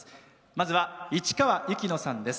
まずは市川由紀乃さんです。